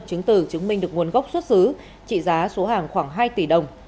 chứng từ chứng minh được nguồn gốc xuất xứ trị giá số hàng khoảng hai tỷ đồng